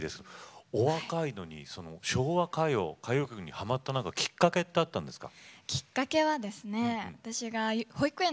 お若いのに昭和歌謡曲はまったきっかけがあったんでしょうか。